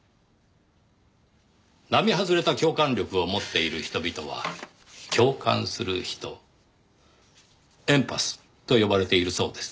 並外れた共感力を持っている人々は共感する人エンパスと呼ばれているそうですね。